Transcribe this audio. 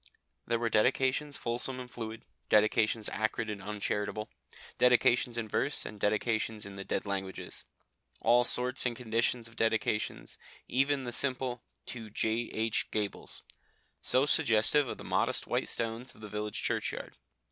There were dedications fulsome and fluid, dedications acrid and uncharitable, dedications in verse and dedications in the dead languages: all sorts and conditions of dedications, even the simple "To J.H. Gabbles" so suggestive of the modest white stones of the village churchyard.